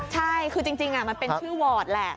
ใช่คือจริงมันเป็นชื่อวอร์ดแหละ